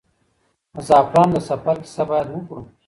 د زعفرانو د سفر کیسه باید وکړو.